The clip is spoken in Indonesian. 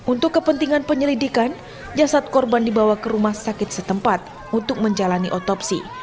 untuk kepentingan penyelidikan jasad korban dibawa ke rumah sakit setempat untuk menjalani otopsi